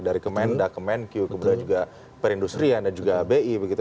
dari kemendak kemenkyu kemudian juga perindustrian dan juga bi begitu